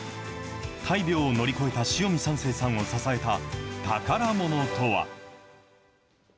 大病を乗り越えた塩見三省さんを支えた宝ものとは？